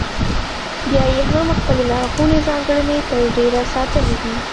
بیا یې هم خپلې لرغونې ځانګړنې تر ډېره ساتلې دي.